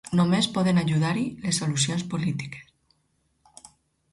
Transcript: Només poden ajudar-hi les solucions polítiques.